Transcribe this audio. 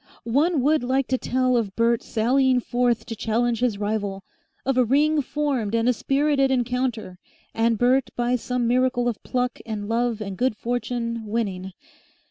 One would like to tell of Bert sallying forth to challenge his rival, of a ring formed and a spirited encounter, and Bert by some miracle of pluck and love and good fortune winning.